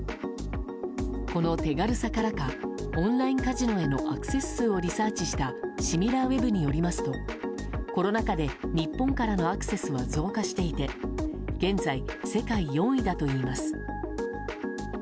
この手軽さからかオンラインカジノへのアクセス数をリサーチしたシミラーウェブによりますとコロナ禍で日本からのアクセスは増加していて現在、世界４位だといいます。